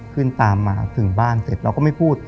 ขึ้นตามมาถึงบ้านเสร็จเราก็ไม่พูด